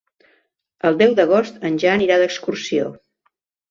El deu d'agost en Jan irà d'excursió.